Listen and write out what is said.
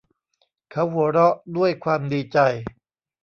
เขาหัวเราะด้วยความดีใจ